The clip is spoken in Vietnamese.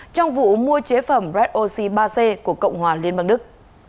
trong vụ mua chế phẩm red oxy ba c của cộng hòa liên bang đức